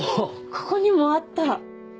ここにもあった。